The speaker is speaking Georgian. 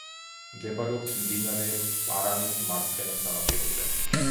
მდებარეობს მდინარე პარანის მარცხენა სანაპიროზე.